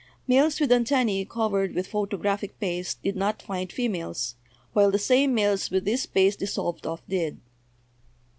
Males with antennae covered with photographic paste did not find females, while the same males with this paste dissolved off did.